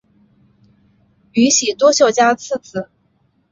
宇喜多秀家次子。